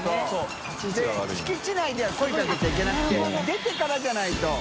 出てからじゃないと。